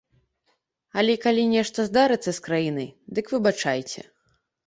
Але калі нешта здарыцца з краінай, дык выбачайце!